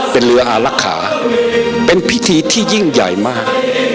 เป็นเรืออารักษาเป็นพิธีที่ยิ่งใหญ่มาก